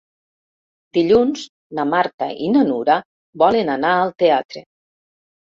Dilluns na Marta i na Nura volen anar al teatre.